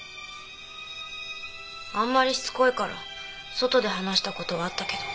あんまりしつこいから外で話した事はあったけど。